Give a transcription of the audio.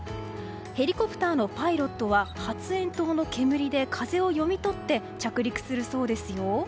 ヘリコプターのパイロットは発煙筒の煙で風を読みとって着陸するそうですよ。